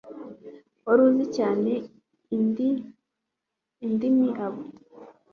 wari uzi cyane indimi abo